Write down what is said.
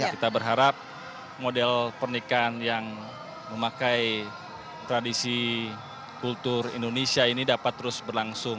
kita berharap model pernikahan yang memakai tradisi kultur indonesia ini dapat terus berlangsung